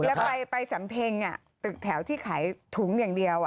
แล้วไปสำเพ็งตึกแถวที่ขายถุงอย่างเดียว